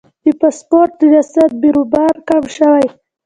د پاسپورت ریاست بیروبار کم شوی؟